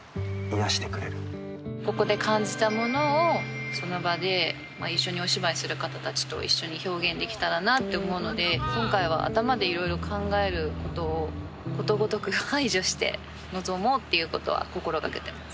ここで感じたものをその場で一緒にお芝居する方たちと一緒に表現できたらなと思うので今回は頭でいろいろ考えることをことごとく排除して臨もうっていうことは心がけてます。